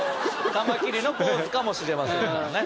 カマキリのポーズかもしれませんからね